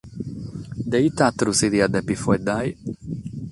De ite àteru si diat dèvere faeddare?